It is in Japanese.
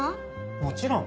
もちろん。